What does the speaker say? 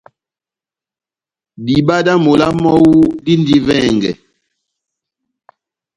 Diba dá mola mɔ́wu dindi vɛngɛ.